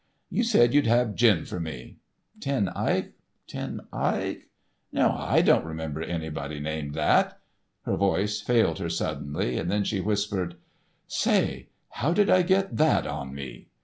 "You said you'd have gin for me. Ten Eyck! Ten Eyck! No, I don't remember anybody named that." Her voice failed her suddenly, then she whispered: "Say, how did I get that on me?"